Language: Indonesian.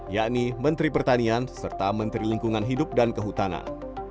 yakni menteri pertanian serta menteri lingkungan hidup dan kehutanan